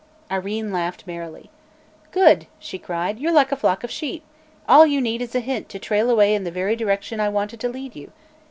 Irene laughed merrily. "Good!" she cried; "you're like a flock of sheep: all you need is a hint to trail away in the very direction I wanted to lead you.